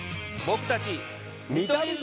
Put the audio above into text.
僕たち。